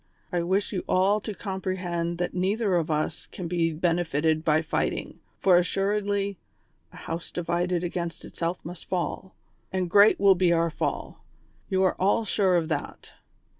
I wish you all to comprehend that neither of us can be benefited by fighting, for assuredly ' a Jiov.se divided against itself must fall,'' and great will be our fall ; you are all sure of that.